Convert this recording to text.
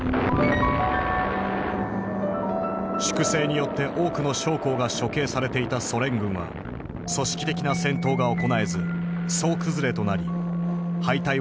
粛清によって多くの将校が処刑されていたソ連軍は組織的な戦闘が行えず総崩れとなり敗退を繰り返した。